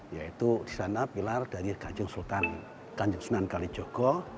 yaitu di sana pilar dari kajeng sultan kajeng sunan kali jogo